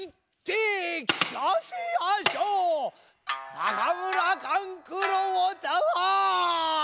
中村勘九郎たぁ